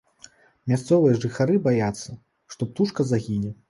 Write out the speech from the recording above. Мясцовыя жыхары баяцца, што птушка загіне.